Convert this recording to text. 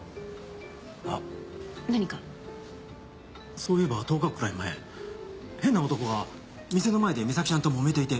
そういえば１０日くらい前変な男が店の前で美咲ちゃんともめていて。